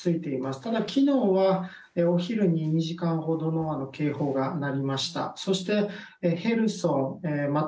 ただ、昨日はお昼に２時間ほどの警報が鳴りました。